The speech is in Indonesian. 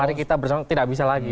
mari kita bersama tidak bisa lagi